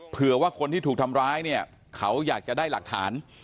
เผื่อว่าคนที่ถูกทำร้ายเนี่ยเขาอยากจะได้หลักฐาน